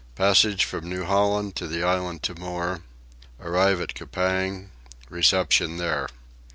Passage from New Holland to the Island Timor. Arrive at Coupang. Reception there.